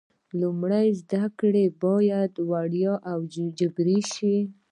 لومړنۍ زده کړې باید وړیا او جبري شي.